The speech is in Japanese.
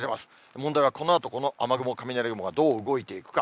問題はこのあと、この雨雲、雷雲がどう動いていくか。